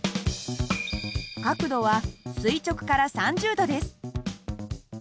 角度は垂直から３０度です。